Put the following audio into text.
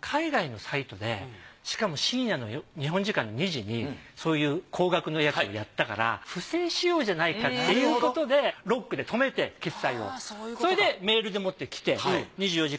海外のサイトでしかも深夜の日本時間の２時にそういう高額のやつをやったから不正使用じゃないかっていうことでロックで止めて決済をそれでメールでもって来て２４時間